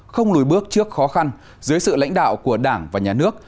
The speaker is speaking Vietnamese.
không lùi bước trước khó khăn dưới sự lãnh đạo của đảng và nhà nước